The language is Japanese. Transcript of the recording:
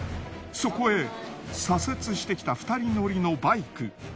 そこへ左折してきた２人乗りのバイク。